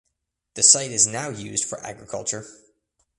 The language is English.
The site is now used for agriculture.